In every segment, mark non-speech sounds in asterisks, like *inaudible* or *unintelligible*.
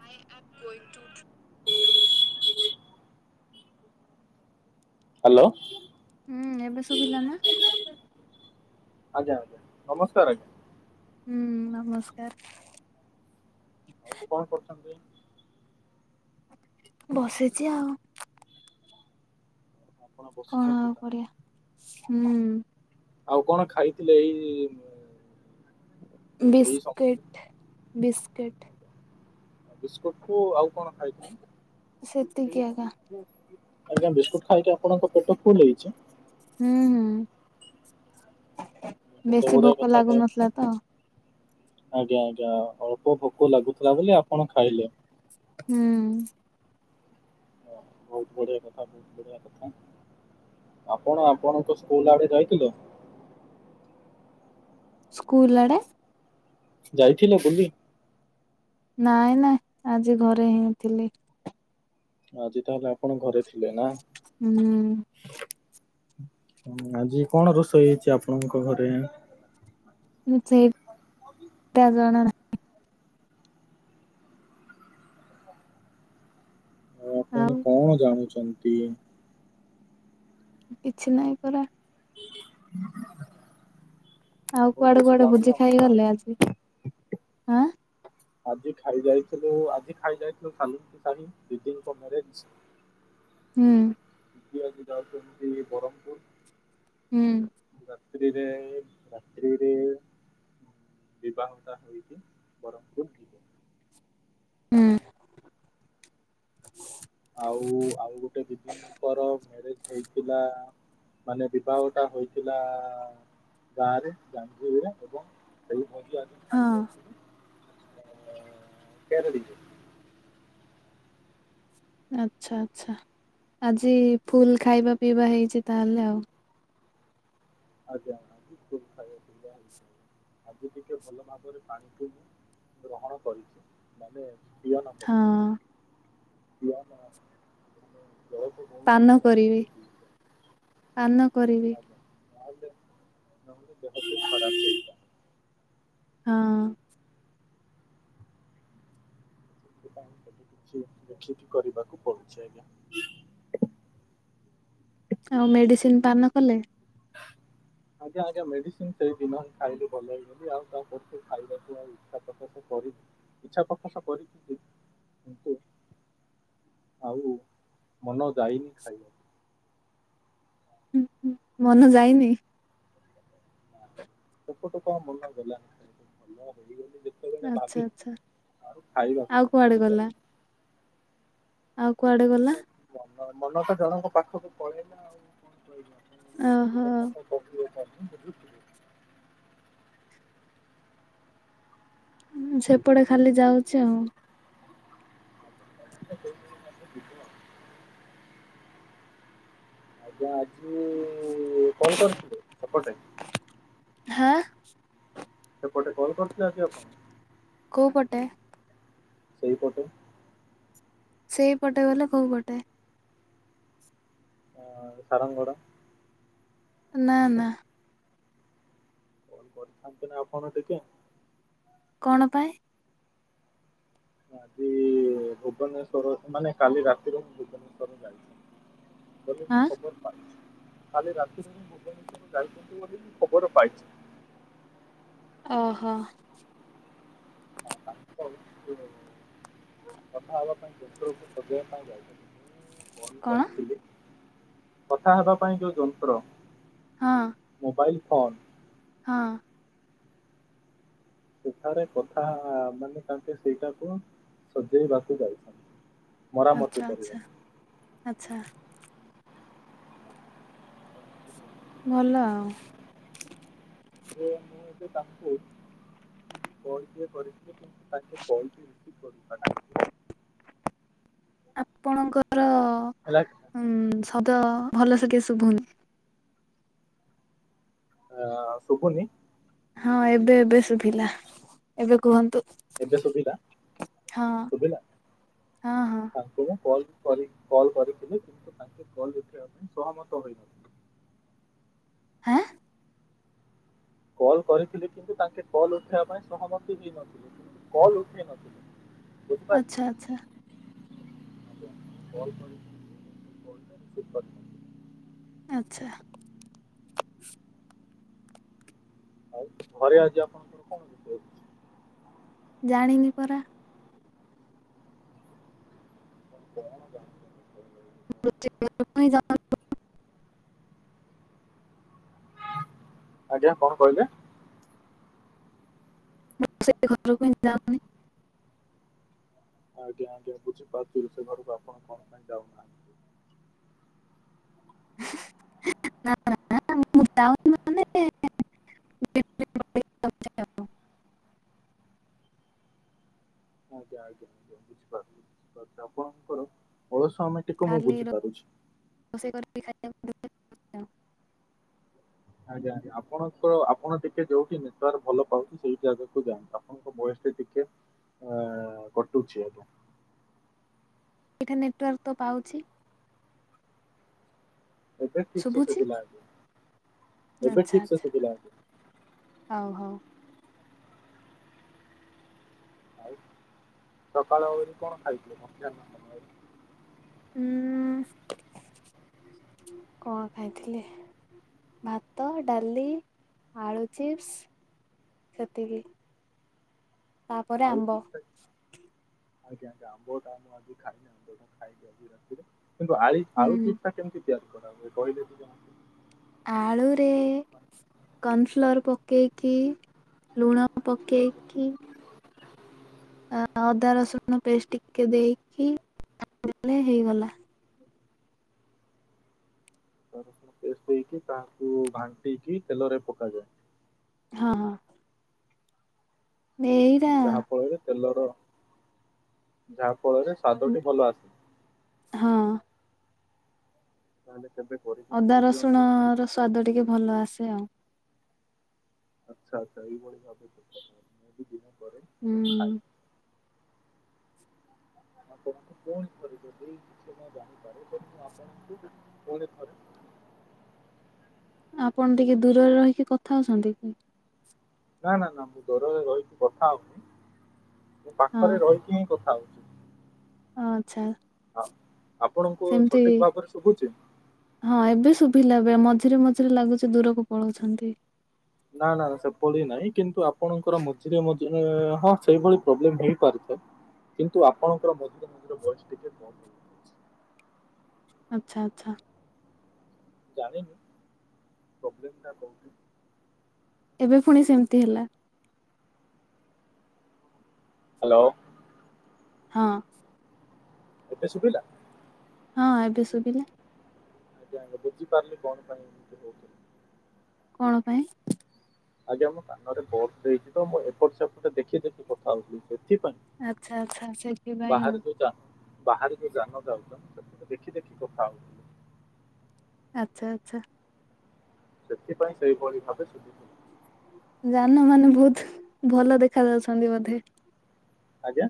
*unintelligible* ଆ କୁ ହ୍ୟାଲୋ। ହୁଁ ଏବେ ଶୁଭିଲା ନା। ଆଜ୍ଞା ଆଜ୍ଞା ନମସ୍କାର ଆଜ୍ଞା। ହୁଁ ନମସ୍କାର। ଆଉ କଣ କରୁଛନ୍ତି? ବସିଛି ଆଉ। ଆପଣ କଣ ବସିଛନ୍ତି ଆଉ ତା କରିବାଆ ହୁଁ ଆଉ କଣ ଖାଇଥିଲେ ଏଇ ଏଇ ସମୟରେ ବିସ୍କୁିଟ ବିସ୍କିଟ ବିସ୍କୁଟ କୁ ଆଉ କଣ ଖାଇଥିଲୁ? ସେତିକି ଆଜ୍ଞା। ଆଜ୍ଞା ବିସ୍କୁଟ ଖାଇକି ଆପଣଙ୍କ ପେଟ ଫୁଲ୍ ହେଇଛି? ହୁଁ ହୁଁ କେତେ ବେଶୀ ଗୁଡିଏ ଭୋକ କଥା କହ ଲାଗୁନଥିଲା ତ ଆଜ୍ଞା ଆଜ୍ଞା ଅଳ୍ପ ଭୋକ ଲାଗୁଥିଲା ବୋଲି ଆପଣ ଖାଇଲେ। ହୁଁ। ଓ ବହୁତ ବଢିଆ କଥା ବହୁତ ବଢିଆ କଥା ଆପଣ ଆପଣଙ୍କ ସ୍କୁଲ ଆଡେ ଯାଇଥିଲେ? ସ୍କୁଲ ଆଡ଼େ? ଯାଇଥିଲେ ବୁଲି? ନାଇଁ ନାଇଁ ଆଜି ଘରେ ହିଁ ଥିଲି। ଆଜି ତାହାଲେ ଆପଣ ଘରେ ଥିଲେ ନା। ହୁଁ। ହୁଁ ଆଜି କଣ ରୋଷେଇ ହେଇଛି ଆପଣଙ୍କ ଘରେ। ସେଇ ତା ଜଣାନାହିଁ। ଆ ଆଉ ଆପଣ କଣ ଜାଣୁଛନ୍ତି? କିଛି ନାଇଁ ପରା। ଆଉ ଆପଣ କୁଆଡେ କିଛି କୁଆଡେ ଭୋଜି ଜାଣୁନାହାନ୍ତି ଖାଇ ଗଲେ ତାହେଲେ। ଆଜି। ଆଁ। ଆଜି ଖାଇ ଯାଇଥିଲୁ ଆଜି ଖାଇ ଯାଇଥିଲୁ ଖଲ ସାହି ଦିଦିଙ୍କ ମ୍ୟାରେଜ୍। ହୁଁ। ବୁଲିବାକୁ ଯାଉଛୁ ମୁଁ ଯିବି ବ୍ରହ୍ମପୁର। ହୁଁ। ରାତ୍ରିରେ ରାତ୍ରିରେ। ବିବାହତା ହୋଇଛିି ବ୍ରହ୍ମପୁର ଯିବେ। ହୁଁ। ଆଉ ଆଉ ଗୋଟେ ଦିଦିଙ୍କର ମ୍ୟାରେଜ ହେଇଥିଲା। ମାନେ ବିବାହଟା ହୋଇଥିଲା ଗାଁରେ ଯାଙ୍ଗିରିରେ ଏବଂ ସେଇ ଭୋଜି ଆମେ ଖାଇ ହଁ ଯାଉଥିଲୁ କେରେଡିଛ। ଆଚ୍ଛା ଆଚ୍ଛା ଆଜି ଫୁଲ୍ ଖାଇବା ପିଇବା ହେଇଛି ତାହେଲେ ଆଉ। ଆଜ୍ଞା ଖୁବ ଖାଇବା ପିଇବା। ଆଜି ଟିକେ ଭଲ ଭାବରେ ପାଣିକୁ ମୁଁ ଗ୍ରହଣ କରିଛି। ମାନେ ପିଅନ ହଁ। କରିଛି *unintelligible* ବହୁତ ପାନ ଭଲ କରିବି ଭାବରେ ପିଇଛି ପାନ କରିବି *unintelligible* ଖରାପ ହେଇଥିଲା। ହଁ। *unintelligible* କିଛି ଦେଖିକି କରିବାକୁ ପଡୁଛି ଆଜ୍ଞା। *inaudible* ଆଉ ମେଡିସିନ ପାନ କଲେ। *inaudible* ଆଜ୍ଞା ଆଜ୍ଞା ମେଡିସିନ ସେଇ ଦିନ ହିଁ ଖାଇଲେ ଭଲ ହେଇଗଲି। ଆଉ ତା କରୁ ଖାଇବାକୁ ଆଉ ଇଚ୍ଛା ପ୍ରକାଶ କରିନି। ଇଚ୍ଛା ପ୍ରକାଶ କରି କିନ୍ତୁ ଆଉ ମନ ଯାଇନି ଖାଇବା ଉଁ ହୁଁ ମନ ଯାଇନି। ଟପ ଟପ ମନା କଲା। *unintelligible* ଆଚ୍ଛା ଆଚ୍ଛା ଖାଇବାକୁ ଆଉ ମନକୁ କୁଆଡେ ଗଲା। ଆଉ କୁଆଡେ ଗଲା ମ ମନ ତ ଜଣଙ୍କ ପାଖକୁ ପଳେଇଲା ଆଉ କଣ କହିବି ଆପଣଙ୍କୁ ସବୁ ଓହୋ। କଥା ତ *unintelligible* ସେପଟେ ଖାଲି ଯାଉଛି ଆଉ। *unintelligible* ଆଜ୍ଞା ଆଜି କଣ କରିଥିଲେ ସେପଟେ। ହାଁ। ସେପଟେ କଲ୍ କରିଥିଲେ ଆଜି ଆପଣ। କୋଉ ପଟେ। ସେଇପଟେ। ସେଇପଟେ ବଲେ କୋଉପଟେ। ଆ ସାରଙ୍ଗଗଡ। ନା ନା। କଲ କରିଥାନ୍ତେ ନା ଆପଣ ଟିକେ। କଣ ପାଇଁ? ଆଜି ଭୁବନେଶ୍ଵର ମାନେ କାଲି ରାତିରୁ ମୁଁ ଭୁବନେଶ୍ଵର ଯାଇଛି। ବଲେ ହଁ ମୁଁ ଖବର ପା କାଲି ରାତିରେ ମୁଁ ଭୁବେନେଶ୍ୱର ଯାଇଛନ୍ତି ବୋଲି ମୁଁ ଖବର ପାଇଛି। ଓହୋ। ହ। *unintelligible* କଥା ହବା ପାଇଁ *unintelligible* ପାଇଁ ଯାଇଛନ୍ତି। ଫୋନ କଣ କରିଥିଲି କଥା ହେବା ପାଇଁ ଯୋଉ ଯନ୍ତ୍ର। ହଁ। ଫନ୍। ହଁ। ସେଠାରେ କଥା ମାନେ ତାଙ୍କେ ସେଇଟାକୁ କୁହ। ସଜେଇବାକୁ ଯାଇଛନ୍ତି। ମରାମତି ଆଚ୍ଛା ଆଚ୍ଛା କରିବାକୁ ଆଚ୍ଛା। ଭଲ ଆଉ। ଯେ ମୁଁ ଏବେ ତାଙ୍କୁ *unintelligible* ଆପଣଙ୍କର ହେଲା କି? ଉଁ ଶବ୍ଦ ଭଲସେ କିସି ଶୁଭୁନି। ଆ ଶୁବୁନି। ହଁ ଏବେ ଏବେ ଶୁଭିଲା ଏବେ କୁହନ୍ତୁ। ଏବେ ଶୁଭିଲା ହଁ ଶୁଭିଲା ହଁ ହଁ ତାଙ୍କୁ କଲ କରି କଲ୍ କରିଥିଲି କିନ୍ତୁ ତାଙ୍କେ କଲ୍ ଉଠେଇବା ପାଇଁ ସହମତ ହୋଇନଥିଲେ। ଆଁ! କଲ୍ କରିଥିଲି କିନ୍ତୁ ତାଙ୍କେ କଲ୍ ଉଠେଇବା ପାଇଁ ସହମତି ହେଇ ନଥିଲେ। କଲ ଉଠେଇ ନଥିଲୁ। ଆଛା ଆଛା। *inaudible* ଆଚ୍ଛା। ଆଉ ଘରେ ଆଜି ଆପଣଙ୍କର କଣ *unintelligible* ଅଛି। ଜାଣିନି ପରା। *inaudible* *unintelligible* ଆଜ୍ଞା କଣ କହିଲେ। ମୁଁ ସେ ଘରକୁ ହିଁ ଯାଉନି। ଆଜ୍ଞା ଆଜ୍ଞା ବୁଝିପାରୁଥିଲ ସେ ଘରକୁ ଆପଣ କଣ ପାଇଁ ଯାଉନାହାନ୍ତି। ମୁ ଯାଉନି ମାନେ। *unintelligible* ଆଜ୍ଞା ଆଜ୍ଞା ବୁଝିପାରୁଛ ବୁଝିପାରୁଛ ଆପଣଙ୍କର *unintelligible* ସମେଟିକୁ ମୁଁ ଖାଲି ବୁଝିପାରୁୁଛି। ରୋଷେଇ *inaudible* ଆଜ୍ଞା ଆଜ୍ଞା ଆପଣଙ୍କର ଆପଣ ଟିକେ ଯୋଉଠି ନେଟୱାର୍କ ଭଲ ପାଉଛି ସେଇ ଜାଗାକୁ ଯାଆନ୍ତୁ ଆପଣଙ୍କ ବଏସ ସେ ଟିକେ ଏ କଟୁଚି ଆପଣ ଏଠା ନେଟୱାର୍କ ତ ପାଉଛି। ଏବେ ଠିକସେ ଶୁଭୁଛି ଶୁଭିଲା ଆଜ୍ଞା। ଏବେ ଆଚ୍ଛା ଠିକସେ ଆଚ୍ଛା ଶୁଭିଲା ଆଜ୍ଞା। ହଉ ହଉ ଆଉ ସକାଳ ଓଳି କଣ ଖାଇଥିଲେ ମଧ୍ୟାହ୍ନ ସମୟରେ? ହୁଁ କଣ ଖାଇଥିଲି। ଭାତ ଡାଲି ଆଳୁ ଚିପ୍ସ। ସେତିକି ତାପରେ ଆଳୁ ଆମ୍ବ। ଚିପ୍ସ ଆଜ୍ଞା ଆଜ୍ଞା ଆମ୍ବଟା ମୁଁ ଆଜି ଖାଇନି ଆମ୍ବଟା ଖାଇବି ଆଜି ରାତିରେ କିନ୍ତୁ ଆଳି ଆଳୁ ହୁଁ ଚିପ୍ସଟା କେମିତି? ତିଆରି କରା ହୁଏ କହିଲେ ଟିକେ ମତେ? ଆଳୁରେ କନ୍ ଫ୍ଲୋର୍ ପ- କେଇକି ଲୁଣ ପକେଇକି ଅ ଅଦା ରସୁଣ ପେଷ୍ ଟିକେ ଦେଇକି *inaudible* ଦେଲେ ହେଇଗଲା। ଅଦା ରସୁଣ ପେଷ୍ ଦେଇକି ତାହାକୁ ଭାଣ୍ଟିକି ତେଲରେ ପକାଯାଏ। ହଁ ଏଇଟା ଯାହା ଫଳରେ ତେଲର ଯାହା ଫଳରେ ସ୍ୱାଦଟି ଭଲ ହଁ ଆସେ। ତାହେଲେ କେବେ କରିକି ମତେ ଅଦା ଦିଅନ୍ତୁ ରସୁଣର ସ୍ଵାଦ ଟିକେ ଭଲ ଆସେ ଆଉ। ଆଚ୍ଛା ଆଚ୍ଛା ଏଇ ଭଳି ଭାବେ ଛେଚାଯାଏ ମୁଁ ବି ଦିନେ ହୁଁ ଆପଣଙ୍କୁ ପୁଣି ଥରେ ଯଦି କିଛି ନ ଜାଣିପାରେ ଯଦି ମୁଁ ଆପଣଙ୍କୁ ପୁଣି ଥରେ *inaudible* ଆପଣ ଟିକେ ଦୂରରେ ରହିକି କଥା ହଉଛନ୍ତି କି? ନାଁ ନାଁ ନାଁ ମୁଁ ଦୂରରେ ରହିକି କଥା ହୋଉନି ମୁଁ ହଁ ପାଖରେ ରହିକି ହିଁ କ ଥା ହଉଚି। ଆଚ୍ଛା। ଅ ସେମତି ହଁ ଏବେ ଶୁଭିଲା ଏବେ ମଝ୍ ଧିରେ ମଝିରେ ଲାଗୁଚି ଦୂରକୁ ପଳଉଛନ୍ତି। ନାଁ ନାଁ ନାଁ ସେପଡ଼ି ନାହିଁ କିନ୍ତୁ ଆପଣଙ୍କର ମଝିରେ ମଝିରେ ହଁ ସେଇଭଳି ପ୍ରୋବ୍ଲେମ୍ ହେଇପାରିଥାଏ। କିନ୍ତୁ ଆପଣଙ୍କର ମଝିରେ ମଝିରେ ଭଏସ୍ ଟିକେ ବନ୍ଦ ହେଇଯାଉଛି। ଆଚ୍ଛା ଆଚ୍ଛା। ଜାଣିନି ପ୍ରୋବ୍ଲେମ୍ ଟା କୋଉଠି। ଏବେ ଫୁଣି ସେମତି ହେଲା। ହାଲୋ। ହଁ। ଏବେ ଶୁଣିଲା? ହଁ ଏବେ ଶୁବିଲା। ଆଜ୍ଞା ଆଜ୍ଞା ବୁଝି ପାରିଲି କଣ ପାଇଁ ଏମିତି ହୋଉଛି। କଣ ପାଇଁ? ଆଜ୍ଞା ମୋ କାନରେ ବଗ୍ ଦେଇଚି ତ ମୁଁ ଏପଟ ସେପଟ ଦେଖି ଦେଖି କଥା ହଉଚି। ଏଥିପାଇଁ ଆଚ୍ଛା ଆଚ୍ଛା ସେଥିପାଇଁ ଆଉ ବାହାରେ ଯୋଉ ଯା ବାହାରେ ଯୋଉ ଯାନ ଯାଉଚନ୍ ସେଥିକୁ ଦେଖି ଦେଖି କଥା ହଉଥିଲି। ଆଚ୍ଛା ଆଚ୍ଛା। ସେଥିପାଇଁ ସେଇଭଳି ଭାବେ ଶୁଭୁଥିଲା। ଯାନମାନେ ବୋହୁତ ଭଲ ଦେଖା ଯାଉଛନ୍ତି ବୋଧେ। ଆଜ୍ଞା?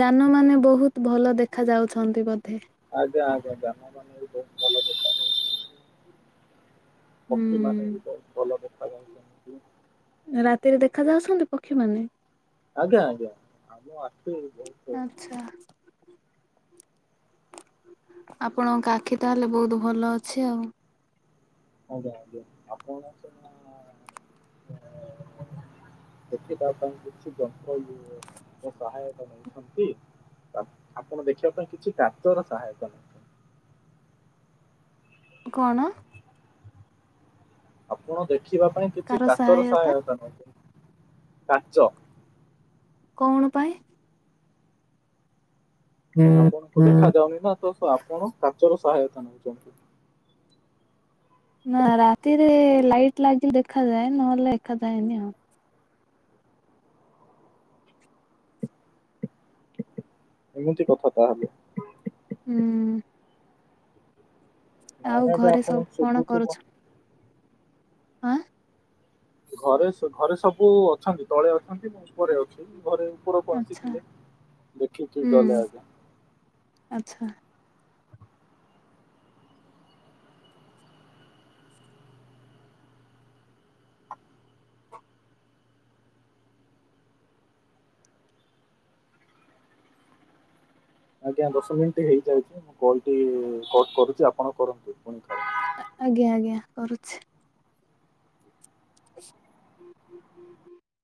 ଯାନମାନେ ବହୁତ ଭଲ ଦେଖ ଯାଉଛନ୍ତି ବଧେ। ଆଜ୍ଞା ଆଜ୍ଞା ଯାନମାନେ ବି ବହୁତ ଭଲ ଦେଖାଯାଉଛନ୍ତି। ପକ୍ଷୀମାନେ ହୁଁ ବି ବହୁତ ଭଲ ଦେଖ ଯାଉଚନ୍ତି। ରାତିରେ ଦେଖା ଯାଉଛନ୍ତି ପକ୍ଷୀମାନେ? ଆଜ୍ଞା ଆଜ୍ଞା ଆମ ଆଖି ବହୁତ *inaudible* ଆଚ୍ଛା ଆପଣଙ୍କ ଆଖି ତାହଲେ ବହୁତ ଭଲ ଅଛି ଆଉ। ଆଜ୍ଞା ଆଜ୍ଞା ଆପଣ ଆସିନେ ଏ ସେଠି ତା ପାଇଁ କିଛି ଯନ୍ତ୍ର ୟୁ ଏ ସହାୟତା ନେଉଛନ୍ତି। ଆ ଆପଣ ଦେଖିବା ପାଇଁ କିଛି କାଚର ସହାୟକ ନୋଉଛନ୍ତି। କଣ? ଆପଣ ଦେଖିବା ପାଇଁ କିଛି କାଚର ସହାୟତା ନୋଉଚନ୍। କାଚ। କଣ ପାଇଁ? ଆପଣ ଦେଖା ଯାଉନି ନା ତ ଆପଣ କଚର ସହାୟତା ନେଉଛନ୍ତି। ନା ରାତିରେ ଲାଇଟ ଲାଗିଲ ଦେଖାାଯାଏ ନହେଲେ ଦେଖାଯାଏନି। ଏମତି କଥା ତାହେଲେ। ହୁଁ। ନାଇଁ ଆଉ ଆଜ୍ଞା ଘରେ ଆପଣ ସବୁ କଣ ଶୁଭୁଥିବ କରୁଛ? ଆଁ। ଘରେ ଘରେ ସବୁ ଅଛନ୍ତି ତଳେ ଅ ମୁଁ ଉପରେ ଅଛି ଘରେ ଉପରକୁ ଆଚ୍ଛା। ଆସିଥିଲେ ଦେଖିକି ହୁଁ ଗଲେ ଆଜ୍ଞା। ଆଚ୍ଛା। ଆଜ୍ଞା ଦଶ ମିନିଟ ହେଇଯାଉଛି ମୁଁ କଲ ଟି କଟ କରୁଛି ଆପଣ କରନ୍ତୁ ପୁଣି ଖାଉ ଆଜ୍ଞା ଆଜ୍ଞା କରୁଛି। *inaudible*